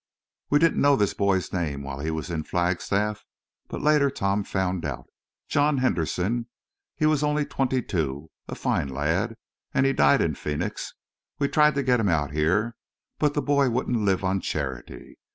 We didn't know this boy's name while he was in Flagstaff. But later Tom found out. John Henderson. He was only twenty two, a fine lad. An' he died in Phœnix. We tried to get him out here. But the boy wouldn't live on charity.